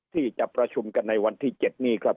ที่จะประชุมกันในวันที่๗นี้ครับ